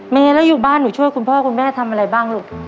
เมย์แล้วอยู่บ้านหนูช่วยคุณพ่อคุณแม่ทำอะไรบ้างลูก